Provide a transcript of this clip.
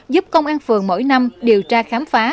giúp công an phường mỗi năm điều tra khám phá